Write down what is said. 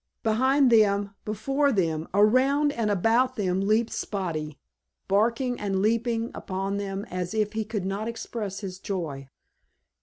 Behind them, before them, around and about them leaped Spotty, barking and leaping upon them as if he could not express his joy.